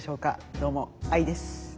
どうもＡＩです。